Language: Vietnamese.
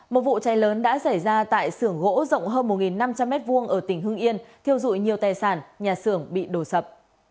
một vụ cháy lớn đã xảy ra tại sưởng gỗ rộng hơn một năm trăm linh m hai ở tỉnh hưng yên thiêu dụi nhiều tài sản nhà xưởng bị đổ sập